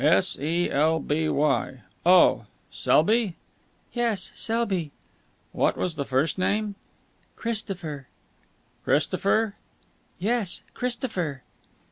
"S e l b y. Oh, Selby?" "Yes, Selby." "What was the first name?" "Christopher." "Christopher?" "Yes, Christopher."